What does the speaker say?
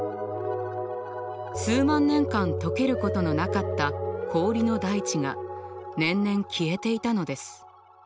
数万年間解けることのなかった氷の大地が年々消えていたのです。